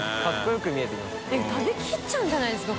食べ切っちゃうんじゃないですか？